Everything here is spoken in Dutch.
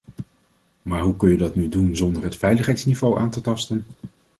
Maar hoe kun je dat nu doen zonder het veiligheidsniveau aan te tasten.